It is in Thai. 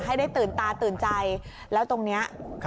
ให้ได้ตื่นตาตื่นใจแล้วตรงนี้